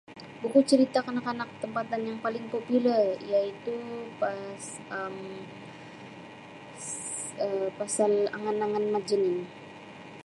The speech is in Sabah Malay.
Buku cerita kanak-kanak tempatan yang paling popular iaitu pas Um pasal angan-angan Mat Jenin.